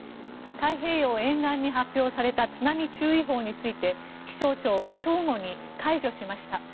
太平洋沿岸に発表された津波注意報について気象庁は正午に解除しました。